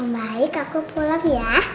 baik aku pulang ya